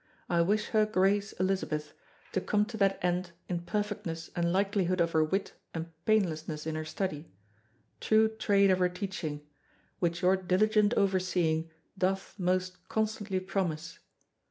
I wish her Grace (Elizabeth) to come to that end in perfectness and likelihood of her wit and painlessness in her study, true trade of her teaching, which your diligent overseeing doth most constantly promise....